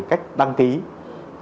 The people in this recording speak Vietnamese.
về cách đăng ký của chúng tôi